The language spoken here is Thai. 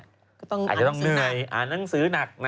อาจจะต้องนึกในอ่านหนังสือหนัก